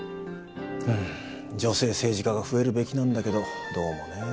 うん女性政治家が増えるべきなんだけどどうもね。